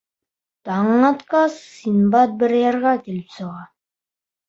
Таң атҡас, Синдбад бер ярға килеп сыға.